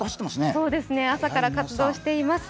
そうですね、朝から活動しています。